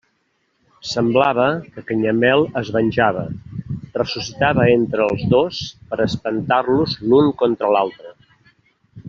Semblava que Canyamel es venjava, ressuscitava entre els dos per a espentar-los l'un contra l'altre.